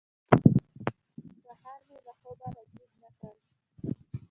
سهار مې له خوبه را جېګ نه کړل.